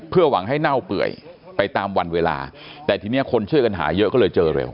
เพื่อหวังให้เน่าเปื่อยไปตามวันเวลาแต่ทีนี้คนช่วยกันหาเยอะก็เลยเจอเร็ว